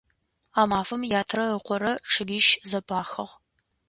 А мафэм ятэрэ ыкъорэ чъыгищ зэпахыгъ.